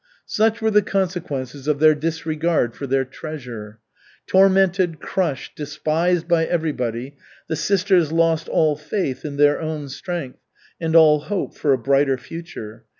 Such were the consequences of their disregard for their "treasure." Tormented, crushed, despised by everybody, the sisters lost all faith in their own strength and all hope for a brighter future.